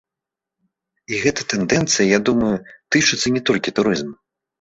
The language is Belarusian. І гэта тэндэнцыя, я думаю, тычыцца не толькі турызму.